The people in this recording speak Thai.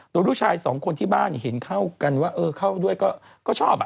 โดยลูกชายสองคนที่บ้านเห็นเข้ากันว่าเออเข้าด้วยก็ชอบ